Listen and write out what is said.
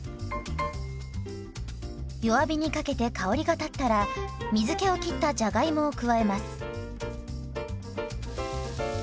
弱火にかけて香りが立ったら水けをきったじゃがいもを加えます。